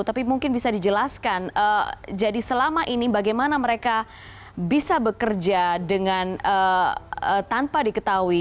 tapi mungkin bisa dijelaskan jadi selama ini bagaimana mereka bisa bekerja dengan tanpa diketahui